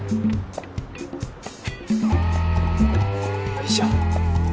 よいしょ。